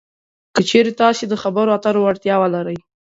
که چېرې تاسې د خبرو اترو وړتیا ولرئ